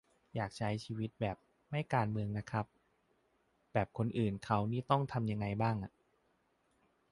อยากใช้ชีวิตแบบ "ไม่การเมืองนะครับ" แบบคนอื่นเค้านี่ต้องทำยังไงบ้างอะ